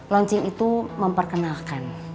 loncing itu memperkenalkan